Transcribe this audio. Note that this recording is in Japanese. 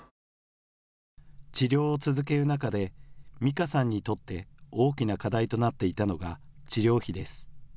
治療を続ける中でみかさんにとって大きな課題となっていたのが治療費です。